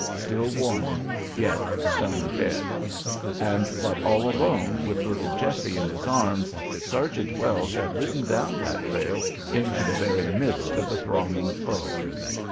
Still warm, yet stone dead! And that all alone, with little Jessie in his arms, Sergeant Wells had ridden down that trail into the very midst of the thronging foe!